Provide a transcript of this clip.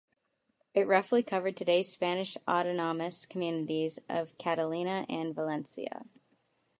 It roughly covered today's Spanish autonomous communities of Catalonia and Valencia.